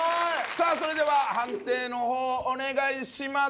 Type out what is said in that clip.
さあそれでは判定のほうお願いします